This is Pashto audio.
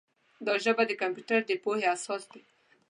دا ژبه د کمپیوټر د پوهې اساس دی.